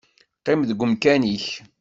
Qqim deg umkan-ik.